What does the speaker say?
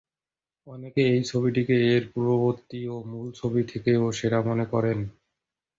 অনেক এই ছবিটিকে এর পূর্ববর্তী ও মূল ছবি থেকেও সেরা মনে করেন।